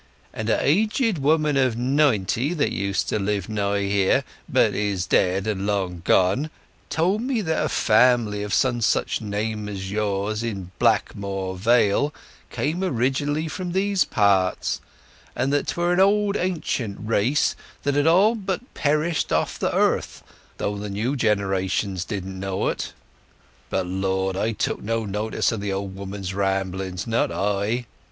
And a aged woman of ninety that use to live nigh here, but is dead and gone long ago, told me that a family of some such name as yours in Blackmoor Vale came originally from these parts, and that 'twere a old ancient race that had all but perished off the earth—though the new generations didn't know it. But, Lord, I took no notice of the old woman's ramblings, not I."